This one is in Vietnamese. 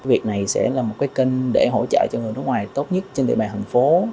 việc này sẽ là một cái kênh để hỗ trợ cho người nước ngoài tốt nhất trên địa bàn thành phố